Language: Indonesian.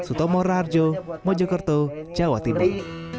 suto morarjo mojokerto jawa timur